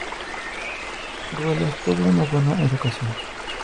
Ruelas tuvo una buena educación.